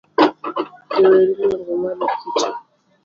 Jower iluongo mwalo kicho